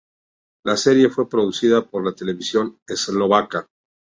La serie fue producida por la Televisión Eslovaca.